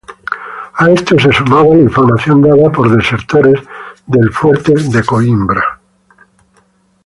A esto se sumaba la información dada por desertores del fuerte de Coimbra.